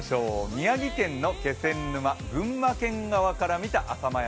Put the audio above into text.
宮城県の気仙沼、群馬県側から見た浅間山。